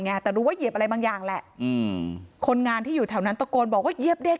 แต่รู้ว่าเหยียบอะไรบางอย่างแหละอืมคนงานที่อยู่แถวนั้นตะโกนบอกว่าเหยียบเด็ก